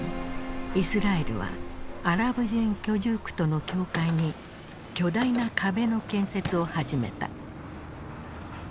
イスラエルはアラブ人居住区との境界に巨大な壁の建設を始めた。